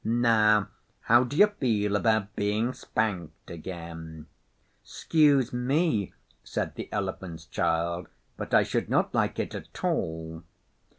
Now how do you feel about being spanked again?' ''Scuse me,' said the Elephant's Child, 'but I should not like it at all.